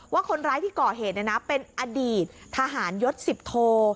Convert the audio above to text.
ว่าคนร้ายที่ก่อเหตุเป็นอดีตทหารยศ๑๐โท